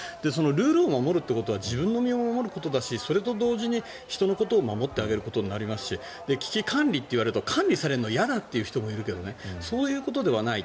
ルールを守るっていうのは自分の身を守ることだしそれと同時に人のことを守ってあげることになりますし危機管理といわれると管理されるのが嫌だと言う人もいるけどそういうことではない。